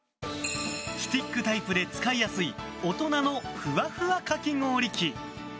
スティックタイプで使いやすい大人のふわふわかき氷器。